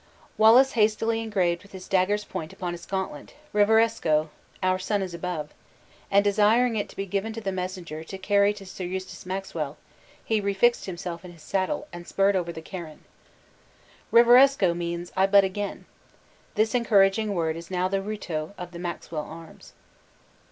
Wallace hastily engraved with his dagger's point upon his gauntlet, "Reviresco! Our sun is above!" and desiring it to be given to the messenger to carry to Sir Eustace Maxwell, he refixed himself in his saddle, and spurred over the Carron. Reviresco! means "I bud again!" This encouraging word is now the reuto of the Maxwell arms.